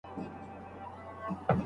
حالاتو دومره محبت کې راگير کړی يمه